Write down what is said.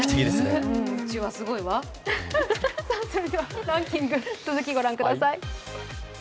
それではランキングの続きをご覧ください。